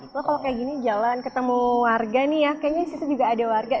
lo kalau kayak gini jalan ketemu warga nih ya kayaknya disitu juga ada warga